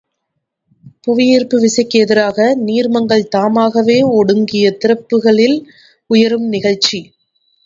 புவிஈர்ப்பு விசைக்கு எதிராக நீர்மங்கள் தாமாகவே ஒடுங்கிய திறப்புகளில் உயரும் நிகழ்ச்சி.